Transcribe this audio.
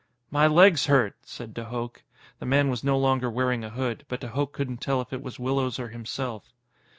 "_ _"My legs hurt," said de Hooch. The man was no longer wearing a hood, but de Hooch couldn't tell if it was Willows or himself.